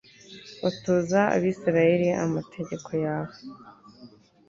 batoza abayisraheli amategeko yawe